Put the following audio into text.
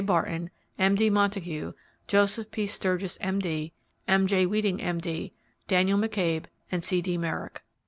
Barton, M. D. Montague, Joseph P. Sturgiss, M.D., M. J. Wheating, M.D., Daniel McCabe and C. D. Merrick."